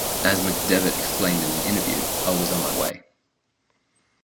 As McDevitt explained in an interview, I was on my way.